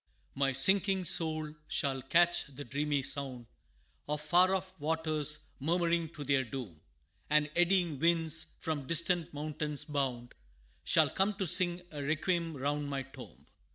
My sinking soul shall catch the dreamy sound Of far off waters, murmuring to their doom, And eddying winds, from distant mountains bound, Shall come to sing a requiem round my tomb.